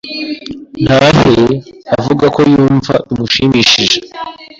Ntahe avuga ko yumva bimushimishije